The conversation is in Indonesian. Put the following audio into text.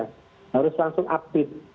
harus langsung update